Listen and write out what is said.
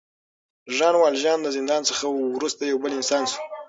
ژان والژان د زندان څخه وروسته یو بل انسان شو.